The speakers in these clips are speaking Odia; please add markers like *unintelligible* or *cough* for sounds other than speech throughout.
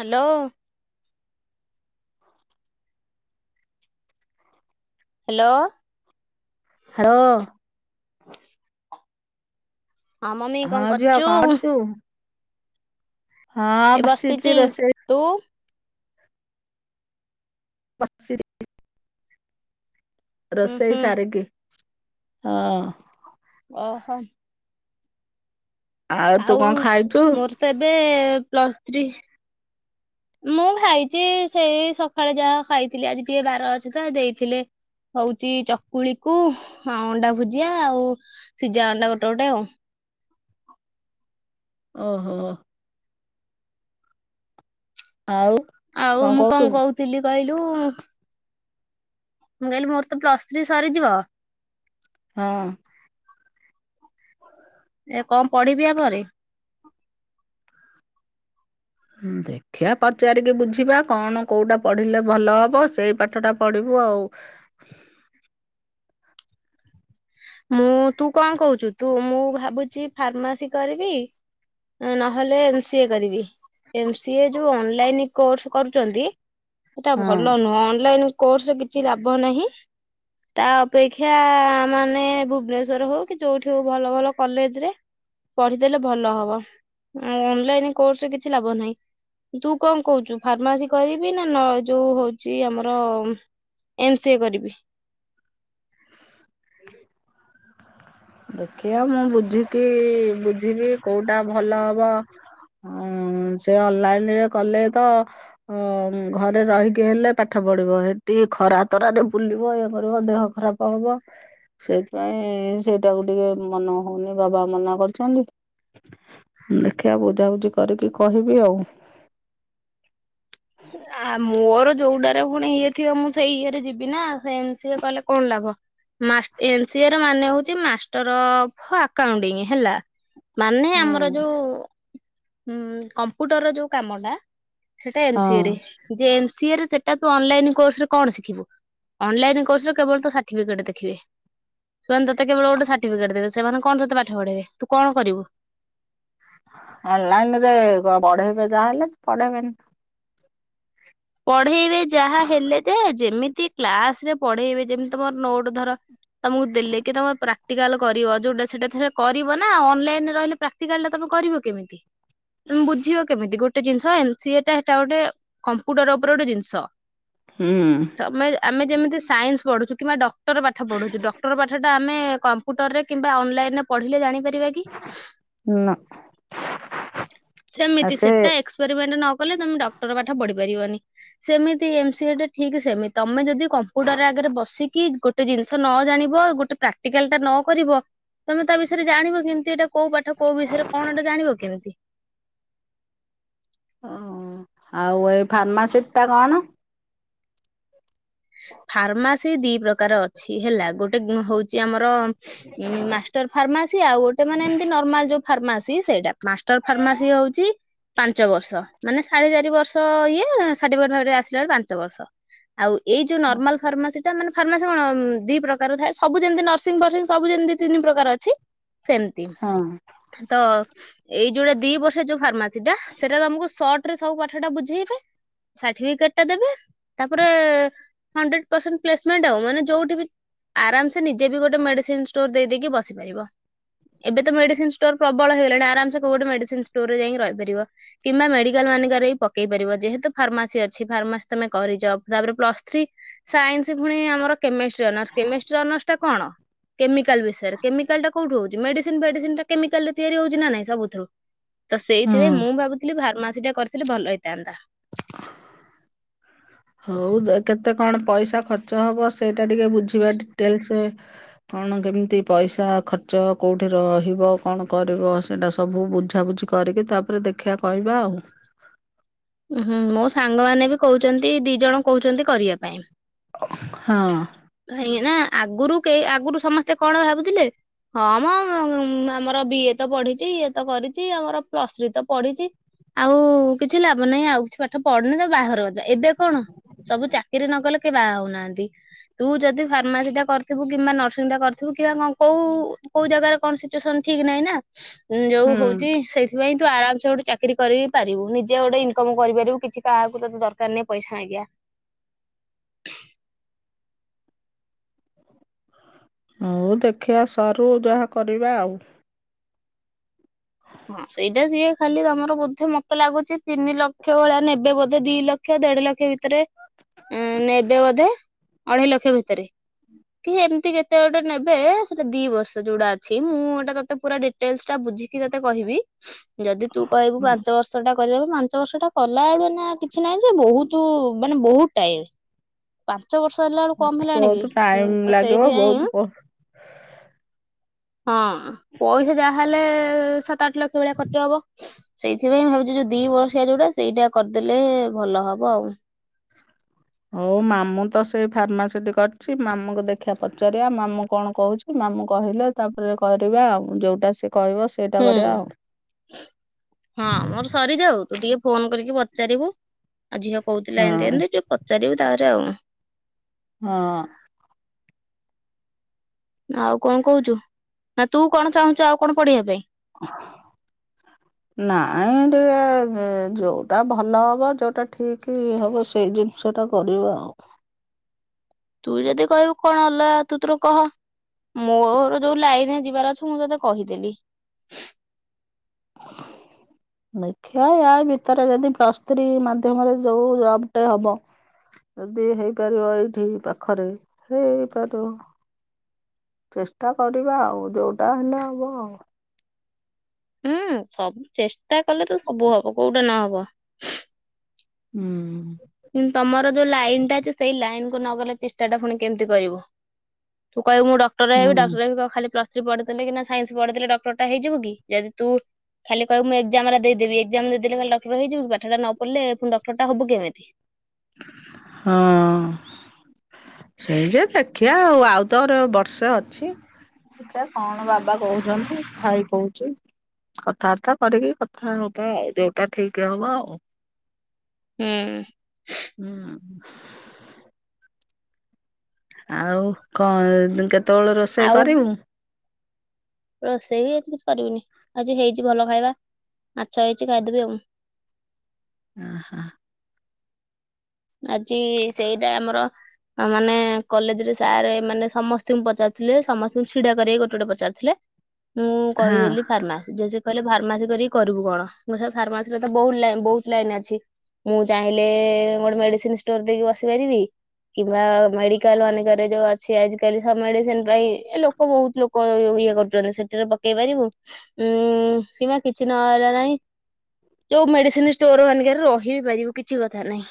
ହାଲୋ। ହାଲୋ। ହାଳୋ। ମମି ହଁ କଣ ଝିଅ କରୁଛୁ କଣ କରୁଚୁ? ଏ ବସିଛି ବସିଚି, ରୋଷେଇ ତୁ? ବସଚିରି ହୁଁ ରଷେଇ ହୁଁ ସାରି କି ହଁ। ଓହୋ। ତୁ ଆଉ କଣ ଖାଇଛୁ? ମୋର ତ ଏବେ ପ୍ଲସ୍ ଥ୍ରୀ ମୁଁ ଖାଇଚି ସେଇ ସକାଳେ ଯାହା ଖାଇଥିଲି ଆଜି ଟିକେ ବାର ଅଛି ତ ଦେଇଥିଲେ ହଉଚି ଚକୁଳିକୁ ହଁ ଅଣ୍ଡା ଭୁଜିଆ ଆଉ ସିଜା ଅଣ୍ଡା ଗୋଟେ ଗୋଟେ ଆଉ। ଓହୋ। ଆଉ ଆଉ ମୁଁ କଣ କହୁଥିଲି କହିଲୁ ମୁଁ କହିଲି ମୋର ତ ପ୍ଲସ ଥ୍ରୀ ସରିଯିବ ହଁ। ଏ କଣ ପଢିବି ୟା ପରେ? ଉଁ ଦେ ଦେଖିଆ ପଚାରିକି ବୁଝିବା କଣ କୋଉଟା ପଢିଲେ ଭଲ ହବ। ସେଇ ପାଠଟା ପଢିବୁ ଆଉ। ମୁଁ ତୁ କଣ କହୁଚୁ ତୁ? ମୁଁ ଭାବୁଚି ଫାର୍ମାସି କରିବି। ନହେଲେ ଏମ୍ ସିଏ କରିବି। ଏମ୍ ସି ଏ ଯୋଉ ଅନଲାଇନ କୋର୍ସ କରୁଚନ୍ତି ସେଟା ହଁ ଭଲ ନୁହଁ। ଅନ୍ ଲାଇନ କୋର୍ସରେ କିଛି ଲାଭ ନାହିଁ। ତା ଅପେକ୍ଷା ମାନେ ଭୁବନେଶ୍ଵର ହୋଉ କି ଯୋଉଠି ହୋଉ ଭଲ ଭଲ କଲେଜ ରେ ପଢିଦେଲେ ଭଲ ହବ। ଆ ଅନଲାଇନ କୋର୍ସରେ କିଛି ଲାଭ ନାହିଁ। ତୁ କଣ କହୁଚୁ? ଫାର୍ମାସି କରିବି ନା ନ ଯୋଉ ହୋଉଚି ଆମର ଏମ୍ ସି ଏ କରିବି। ହ *inaudible* ଦେଖିଆ ମୁଁ ବୁଝିକି ବୁଝିବି କୋଉଟା ଭଲ ହବ। ଅଁ ସେ ଅନଲାଇନ୍ ରେ କଲେ ତ ହଁ ଘରେ ରହିକି ହେଲେ ପାଠ ପଢିବ। ହେଠି ଖରା ତରାରେ ବୁଲିବ ଇଏ କରିବ ଦେହ ଖରାପ ହବ। ସେଇଥିପାଇଁ ସେଇଟାକୁ ଟିକିଏ ମନ ହୋଉନି ବାବା ମନା କରୁଚନ୍ତି। ଦେଖିବା ବୁଝାବୁଝି କରିକି କହିବି ଆଉ। ଆ ମୋର ଯୋଉଡାରେ ପୁଣି ଇଏ ଥିବ ମୁଁ ସେଇ ଇଏରେ ଯିବି ନା। ସେମିସିଏ କହିଲେ କଣ ଲାଭ। ମାଷ୍ଟଏମ୍ ସିଏର ମାନେ ହୋଉଚି ମାଷ୍ଟର ଅ ଫ ଆକାଉଣ୍ଟି ହେଲା। ମାନେ ହୁଁ। ଆମର ଯୋଉ କମ୍ପ୍ୟୁଟର ର ଯୋଉ କାମ ଟା ହେଟାଏମ୍ ସିଏ ହଁ ରେ। ଯେ ଏମ୍ ସିଏରେ ସେଟା କୁ ଅନଲାଇନ କୋର୍ସ ରେ କଣ ଶିଖିବୁ? ଅନଲାଇନ କୋର୍ସ ରେ କେବଳ ତ ସାର୍ଟିଫିକେଟ୍ ଦେଖିବେ। ସେମାନେତତେକେବଳ ଗୋଟେ ସାର୍ଟିଫିକେଟ୍ ଦେବେ। ସେମାନେ କଣ ତତେ ପାଠ ପଢ଼ାଇବେ? ତୁ କଣ କରିବୁ? ଅନ୍ଲାଇନ୍ ରେ ପଢେଇବେ ଯାହା ହେଲେ ପଢେଇବେନି। ପଢେଇବେ ଯାହା ହେଲେ ଯେ ଯେମିତି କ୍ଲାସ୍ ରେ ପଢେଇବେ ଯେମିତି ତମର ନୋଟ୍ ଧର ତମକୁ ଦେଲେ କି ତମେ ପ୍ରାକ୍ଟିକାଲ କରିବ। ଯୋଉଟା ସେଟା ସେ କରିବ ନା ଅନଲାଇନରେ ରହିଲେପ୍ରା ପ୍ରାଟିକାଲ୍ ଟା କରିବ କେମିତି? ତମେ ବୁଝିବ କେମିତି? ଗୋଟେ ଜିନିଷ ଏମ୍ ସିଏ ଟା ହେଟାଗୋଟେ କମ୍ପ୍ୟୁଟର ଉପରେ ଗୋଟେ ଜିନିଷ। ହୁଁ। ତମେ ଆମେ ଯେମିତି ସାଇନ୍ସ ପଢୁଛୁ କିମ୍ବା ଡକ୍ଟର ପାଠପଢୁଛୁ ଡକ୍ଟର ପାଠଟା ଆମେ କମ୍ପ୍ୟୁଟର ରେ କିମ୍ବା ଅନଲାଇନ୍ ରେ ପଢିଲେ ଜାଣିପାରିବା କି? ନା। ଆ ସେମିତି ସେ ସେଟାଏକ୍ସ ଏକ୍ସପେରିମେଣ୍ଟ୍ ନକଲେ ତମେ ଡକ୍ଟର ପାଠ ପଢି ପାରିବନି। ସେମି ସେଏମ୍ ସିଏ ଟା ଠିକ୍ ସେମିତି ତମେ ଯଦି କମ୍ପ୍ୟୁଟର ଆଗରେ ବସିକି ଗୋ ଗୋଟେ ଜିନିଷ ନ ଜାଣିବ ଗୋଟେ ପ୍ରାକ୍ଟିକାଲ ଟା ନ କରିବ। ତମେ ତା ବିଷୟରେ ଜାଣିବ କିମିତି ଏଇଟା କୋଉ ପାଠ କୋଉ ବିଷୟରେ କଣ ଏଟା ଜାଣିବ କେମିତି? ଓ ଆଉ ଏଇ ଫାର୍ମାସିଟି ଟା କଣ? ଫାର୍ମାସି ଦି ପ୍ରକାର ଅଛି। ହେଲା ଗୋଟେ ହୋ ଚି ଆମର ମାଷ୍ଟର ଫାର୍ମାସି ଆଉ ଗୋଟେ ମାନେ ଏମତି ନର୍ମାଲ ଯୋଉ ଫାର୍ମାସି ସେଇଟା ମାଷ୍ଟର ଫାର୍ମାସି ହୋଉଚି ପାଞ୍ଚ ବର୍ଷ ମାନେ ସାଢେ ଚାରି ବର୍ଷ ଇଏ ଷାଠିଫିକେଟ୍ ଆସିଲା ବେଳକୁ ପାଞ୍ଚ ବର୍ଷ। ଆଉ ଏଇ ଯୋଉ ନର୍ମାଲ୍ ଫାର୍ମାସି ମାନେ ଫାର୍ମାସି କଣ ଦି ପ୍ରକାର ଥାଏ। ସବୁ ଯେମିତି ନର୍ସିଂ ଫର୍ଂ ସବୁ ଯେମିତି ତିନି ପ୍ରକାର ଅଛି। ସେମିତି। ହଁ। ତ ଏଇ ଯୋଉଟା ଦି ବର୍ଷ ଯୋଉ ଫାର୍ମାସି ଟା ସେଇଟା ତମକୁ ସଟ ସବୁ ପାଠ ଟା ବୁଝେଇବେ ସାର୍ଟିଫିକେଟ ଟା ଦେବେ ତାପରେ ହଣ୍ଡ୍ରେଡ ପରସେଣ୍ଟ ପ୍ଲେସମେଣ୍ଟ ଆଉ ମାନେ ଯୋଉଠି ବି ଆରାମ ସେ ନିଜେ ବି ଗୋଟେ ମେଡିସିନ ଷ୍ଟୋର ଦେଇଦେଇକି ବସିପାରିବ। ଏବେ ତ ମେଡିସିନ ଷ୍ଟୋର ପ୍ରବଳ ହେଇଗଲାଣି ଆରାମ ସେ କୋଉ ଗୋଟେ ମେଡିସିନ ଷ୍ଟୋରରେ ଯାଇକି ରହିପାରିବ। କିମ୍ବା ମେଡିକାଲ ମାନଙ୍କରେ ବି ପକେଇ ପାରିବ ଯେହେତୁ ଫାର୍ମାସି ଅଛି ଫାର୍ମାସି ତମେ କରିଚ ତାପରେ ପ୍ଲସ ଥ୍ରୀ ସାଇନ୍ସ ପୁଣି ଆମର କେମିଷ୍ଟ୍ରି ଅନର୍ସ କେମିଷ୍ଟ୍ରି ଅନର୍ସ ଟା କଣ? କେମିକାଲ ବିଷୟରେ କେମିକାଲ ଟା କଉଠୁ ହଉଛି ମେସିନ ଫେଡିସିନ ଟା କେମିକାଲରେ ତିଆରି ହଉଛି ନା ନାଇଁ ସବୁଥୁ ତ ହଁ ସେଇଥିପାଇଁ ମୁଁ ଭାବୁଥିଲି ଫାର୍ମାସିୀ ଟା କରିଥିଲେ ଭଲ ହେଇଥାନ୍ତା। ହଉ କେତେ କଣ ପଇସା ଖର୍ଚ୍ଚ ହବ ସେଇଟା ଟିକେ ବୁଝିବା ଡିଟେଲସ। କଣ କେମିତି ପଇସା ଖର୍ଚ୍ଚ କଉଠେ ରହିବ କଣ କରିବ ସେଇଟା ସବୁ ବୁଝା ବୁଝି କରିକି ତାପରେ ଦେଖିଆ କହିବା ଆଉ। ଉହୁଁ ମୋ ସାଙ୍ଗମାନେ ବି କହୁଛନ୍ତି ଦି ଜଣ କହୁଛନ୍ତି କରିବା ପାଇଁ। ହଁ। କାହିଁକି ନା ଆଗରୁ କେ ଆଗରୁ ସମସ୍ତେ କଣ ଭାବୁଥିଲେ? ହଁ ମ ଆମର ବି ଏ ତ ପଢିଛି ଇଏ ତ କରିଛି ଆମର ପ୍ଲସ୍ ଥ୍ରୀ ତ ପଢିଛି। ଆଉ କିଛି ଲା ହବ ନାହିଁ ଆଉ କିଛି ପାଠ ପଢନି ତାକୁ ବାହାଘର କରଦବା ଏବେ କଣ ସବୁ ଚାକିରି ନକଲେ କେହି ବାହା ହଉନାହାନ୍ତି। ତୁ ଯଦି ଫାର୍ମାସି ଟା କରିଥିବୁ କିମ୍ବା ନର୍ସିଂ ଟା କରିଥିବୁ କିମ୍ବା କଣ କୋଉ କୋଉ ଜାଗାରେ କଣ ସିଚୁଏସନ ଠିକ ନାଇଁ ନା। ଯଉ ହୁଁ। ହଉଛି ସେଇଥିପାଇଁ ତୁ ଆରାମସେ ଗୋଟେ ଚାକିରି କରିବି ପାରିବୁ ନିଜେ ଗୋଟେ ଇନ ଇନକମ କରିପାରିବୁ କିଛି କାହାକୁ ତତେ ଦରକାର ନାହିଁ ପଇସା ମାଗିବା। ହଉ ଦେଖିଆ ସରୁ ଯାହା କରିବା ଆଉ। ହଁ ସେଇଟା ସିଏ ଖାଲି ତମର ବୋଧେ ମତେ ଲାଗୁଛି ତିନି ଲକ୍ଷ ଭଳିଆ ନେବେ ବୋଧେ ଦି ଲକ୍ଷ ଦେଢ ଲକ୍ଷ ଭି ତରେ ଉ ନେବେ ବୋଧେ ଅଢେଇ ଲକ୍ଷ ଭିତରେ। କି ଏମିତି କେତେ ଗୋଟେ ନେବେ ସେଟା ଦି ବର୍ଷ ଯୋଉଡା ଅଛି ମୁଁ ହେଟା ତତେ ପୁରା ଡିଟେଲସ ଟା ବୁଝିକି ତତେ କହିବି ଯଦି ତୁ କହିବୁ ହୁଁ, ପାଞ୍ଚ ବର୍ ବର୍ଷଟା କରିବାକୁ ପାଞ୍ଚ ବର୍ଷଟା କଲା ବେଳୁ ଏଇନା କିଛି ନାହିଁ ଯେ ବହୁତ ମାନେ ବହୁତ ଟାଇମ୍। ପାଞ୍ଚ ବର୍ଷ ହେଲା ଏଳୁ କମ ହେଲାଣି ବହୁତ କି ଟାଇମ୍ ତ ଲାଗିବ ବହୁତ ସେଇଥିପାଇଁଁ ପ ହଁ ପଇସା ଯାହାଲେ ସାତ ଆଠ ଲକ୍ଷ ଭଳିଆ ଖର୍ଚ୍ଚ ହବ। ସେଇଥିପାଇଁ ଭାବୁଛି ଯଉ ଦି ବର୍ଷିଆ ଯଉଟା ସେଇଟା କରିଦେଲେ ଭଲ ହବ ଆଉ। ହଉ ମାମୁଁ ତ ସେଇ ଫାର୍ମାସିଟି କରିଛି ମାମୁଙ୍କୁ ଦେଖିଆ ପଚାରିବା ମାମୁଁ କଣ କହୁଛି। ମାମୁଁ କହିଲେ ତାପରେ କରିବା ଆଉ ଜଉଟା ସେ କହିବ ସେଟା ହୁଁ କରିବା ଆଉ। ହଁ ମୋର ସରିଯାଉ ତୁ ଟିକେ ଫୋନ କରିକି ପଚାରିବୁ ଆଉ ଝିଅ କହୁଥିଲା ଏମିତି ହଁ। ଏମିତି ଟିକେ ପଚାରିବୁ ତାହରେ ଆଉ ହଁ। ଆଉ କଣ କହୁଛୁ ନା ତୁ କଣ ଚାହୁଁଛୁ ଆଉ କଣ ପଢ଼ିବା ପାଇଁ? ନାଇଁ ଏଇ ଟିକେ ଯୋଉଟା ଭଲ ହବ ଯୋଉଟା ଠିକ ହବ ସେଇ ଜିନି ସେଇଟା କରିବା ଆଉ। ତୁ ଯଦି କହିବୁ କଣ ହେଲା ତୁ ତୋର କହ। ମୋର ଯୋଉ ଲାଇନରେ ଯିବାର ଅଛି ମୁଁ ତୋତେ କହିଦେଲି। ଦେଖିଆ ୟା ଭିତରେ ଯଦି ପ୍ଲସ୍ ଥ୍ରୀ ମାଧ୍ୟମରେ ଯୋଉ ଜବଟେ ହବ ଯଦି ହେଇପାରିବ ଏଇଠି ପାଖରେ ହେଇପାରିବ। ଚେଷ୍ଟା କରିବା ଆଉ ଯୋଉଟା ହେଲେ ହବ ଆଉ। ହୁଁ ସବୁ ଚେଷ୍ଟା କଲେ ତ ସବୁ ହବ କୋଉଟା ନହବ। ହୁଁ। କିନ୍ତୁ ତମର ଯୋଉ ଲାଇନ୍ ଟା ଅଛି ସେଇ ଲାଇନ୍ କୁ ନଗଲେ ଚେଷ୍ଟା ଟା ପୁଣି କେମିତି କରିବ? ତୁ କହିବୁ ମୁ ଡକ୍ଟର ହେବି ହୁଁ ଡକ୍ଟର ହେବି କଣ ଖାଲି ପ୍ଲସ୍ ଥ୍ରି ପଢିଥିଲେ କି ସାଇନ୍ସ ପଢିଦେଲେ ଡକ୍ଟର ଟା ହେଇଯିବ କି ଯଦି ତୁ ଖାଲି କହିବୁ ମୁଁ ଏକ୍ଜାମ୍ ଗୁର ଦେଇଦବି ଖାଲି ଏକ୍ଜାମ ଦେଇଦେଲେ ଡକ୍ଟର ହେଇଯିବୁ କି ପାଠଟା ନ ପଢିଲେ ପୁଣି ଡକ୍ଟର ହବୁ କେମିତି? *unintelligible* ହଁ। ସେଇ ଯେ ଦେଖିବା ଆଉ ଆଉ ତୋର ବର୍ଷେ ଅଛି। ଦେଖିବା କଣ ବାବା କହୁଛନ୍ତି ଭାଇ କହୁଛି। କଥାବାର୍ତା କରିକି କଥା ହବା ଆଉ ଯୋଉଟା ଠିକ୍ ହବ ଆଉ। ହୁଁ। ହୁଁ। ଆଉ କଣ କେତେବେଳେ ରୋଷେଇ ଆଉ କରିବୁ? ରୋଷେଇ ଆଜି କିଛି କରିବିନି ଆଉ ହେଇଛି ଭଲ ଖାଇବା ମାଛ ହେଇଛି ଖାଇଦେବି ଆଉ। ଅହ! ଆଜି ସେଇଟା ଆମର ଆ ମାନେ କଲେଜ୍ ରେ ସାର୍ ମାନେ ସମସ୍ତଙ୍କୁ ପଚାରୁଥିଲେ ସମସ୍ତଙ୍କୁ ଛିଡା କରେଇ ଗୋଟେ ଗୋଟେ ପଚାରୁଥିଲେ। ମୁଁ ହଁ କହିଦେଲି ଫାର୍ମାସି ଜେଜେ କହିଲେ ଫାର୍ମାସି କରିକି କରିବୁ କଣ ମୁ ସାରେ ଫାର୍ମାସିରେ ତ ବହୁତ୍ ଲାଇନ୍ ବହୁତ୍ ଲାଇନ୍ ଅଛି। ମୁଁ ଚାହିଁଲେ ଗୋଟେ ମେଡିସିନ୍ ଷ୍ଟୋର୍ ଦେଇକି ବସି ପାରିବି। କିମ୍ବା ମେଡିକାଲ ମାନଙ୍କରେ ଯୋଉ ଅଛି ଆଜିକାଲି ସବ ମେଡିସିନ ପାଇଁ ଏ ଲୋକ୍ ହ ବହୁତ ଲୋକ ଇଏ କରୁଛନ୍ତି ସେଠାରେ ପକେଇ ପାରିବୁ। ଉଁ କିମ୍ବା କିଛି ନହଲା ନାହିଁ ଯୋଉ ମେଡିସିନ ଷ୍ଟୋର ମାନେଙ୍କେରେ ରହି ବିି ପାରିବୁ କିଛି କଥା ନାହିଁ।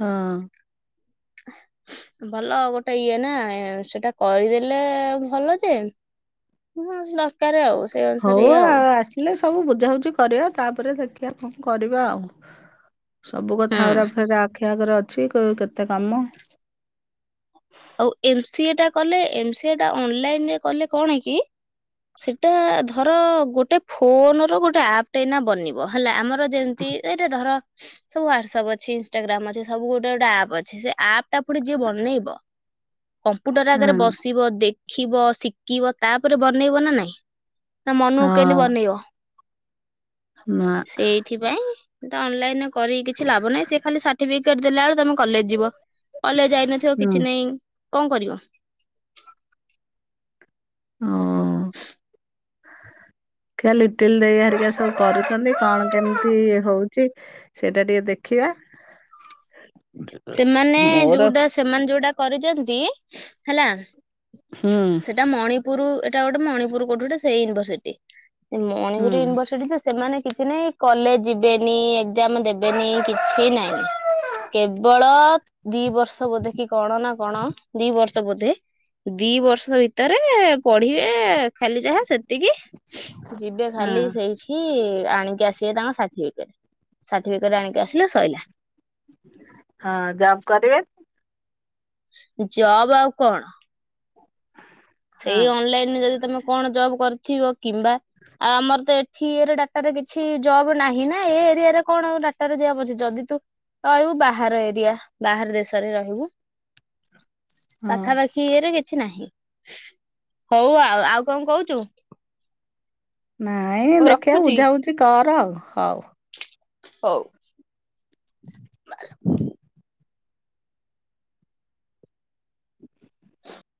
ହଁ। ଭଲ ଗୋଟେ ଇଏ ନା ସେଟା କରିଦେଲେ ଭଲ ଯେ *unintelligible* ସେଇ ଅନୁସାରେ ହଉ ଇଏ ଆଉ ଆସିଲେ ସବୁ ବୁଝାବୁଝି କରିବା ତାପରେ ଦେଖିବା କଣ କରିବା ଆଉ। ସବୁ କଥା ହୁଁ। ଉରା ଫେରେ ଆଖି ଆଗରେ ଅଛି କେ କେତେ କାମ। ଆଉ ଏମ୍ ସି ଏ ଟା କଲେ ଏମ୍ ସି ଏ ଟା ଅନ୍ଲାଇନ୍ ରେ କଲେ କଣ କି ସେଟା ଧର ଗୋଟେ ଫୋନ ର ଗୋଟେ ଆପ୍ଟ ଏନା ବନିବ ହେଲା ଆମର ଯେମିତି ଏଇଟା ଧର ସବୁ ହ୍ୱାଟସଆପ୍ ଅଛି ଇନ୍ସଟାଗ୍ରାମ୍ ଅଛି ସବୁ ଗୋଟେ ଗୋଟେ ଆପ୍ ଅଛି ସେ ଆପ୍ ଟା ପୁଣି ଯିଏ ବନେଇବ କମ୍ପ୍ୟୁଟର ଆଗରେ ବସିବ ଦେଖିବ ଶିଖିବ ତାପରେ ବନେଇବ ନା ନାଇଁ? ତା ହଁ ମନୁକୁ କେମିତି ବନେଇବ ହଁ ସେଇ ଥିପାଇଁ ତ ଅନ୍ଲାଇନ୍ ରେ କରିକି କିଛି ଲାଭ ନାହିଁ ସେ ଖାଲି ସାର୍ଟିଫିକେଟ ଦେଲା ବେଳେ ତମ କଲେଜ ଯିବ। କଲେଜ ଯାଇନଥିବ କିଛି ହୁଁ। ନାଇଁ କଣ କରିବ? ହଁ। ଖିଆ ଲିଟିଲ୍ ଦେଇ ହେରିକା ସବୁ କରୁଛନ୍ତି କଣ କେମିତି ହଉଛି? ସେଇଟା ଟିକେ ଦେଖିବା ସେମାନେ ମୋର ଯୋଉଟା ସେମାନେ ଯୋଉଟା କରିଛନ୍ତି ହେଲା ହୁଁ। ସେଟା ମଣିପୁରୁ ଏଇଟା ଗୋଟେ ମଣିପୁରୁ କୋଉଠି ଗୋଟେ ସେଇ ୟୁନିଭର୍ସିଟି। ହୁଁ। ମଣିପୁର ୟୁନିଭର୍ସିଟିରେ ସେମାନେ କିଛି ନାଇଁ କଲେଜ ଯିବେନି ଏଗଜାମ ଦେବେନି କିଛି ନାଇଁ। *unintelligible* ବଳ ଦି ବର୍ଷ ବୋଧେ କି କଣ ନା କଣ ଦି ବର୍ଷ ବୋଧେ ଦି ବର୍ଷ ଭିତରେ ପଢିବେ ଖାଲି ଯାହା ସେତିକି ଯିବେ ହଁ ଖାଲି ସେଇଠି। ଆଣିକି ଆସିବେ ତାଙ୍କ ସାର୍ଟିଫିକେଟ ସାର୍ଟିଫିକେଟ ଆଣିକି ଆସିଲେ ଶଇଲା। ହଁ ଜବ କରିବେ। ଜବ ଆଉ କଣ? ହଁ ସେଇ ଅନଲାଇନରେ ଯଦି ତମେ କଣ ଜବ୍ କରିଥିବ କିମ୍ବା ଆଉ ଆମର ତ ଏଠି ଇରେ ଡାଟାରେ କିଛି ଜବ୍ ନାହିଁ ନା ଏ ଏରିଆରେ କଣ ଡାଟାରେ ଜବ୍ ଅଛି ଯଦି ତୁ ରହିବୁ ବାହାର ଏରିଆ ବାହାର ଦେଶରେ ରହିବୁ। ହ ପାଖାପାଖି ଇଏରେ କିଛି ନାହିଁ ହଉ ଆଉ ଆଉ କଣ କହୁଛୁ? ନାଇଁ ହଉ ଦେଖିବା ରଖୁଛି ବୁଝାବୁଝି କର ଆଉ ହଉ। ହଉ। *unintelligible* *inaudible*